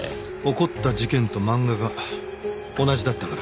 起こった事件と漫画が同じだったから。